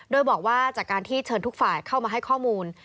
โดยบอกว่าจากการที่เชิญทุกฝ่ายเข้ามาให้ข้อมูล